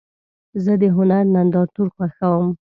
زه د هنر نندارتون خوښوم.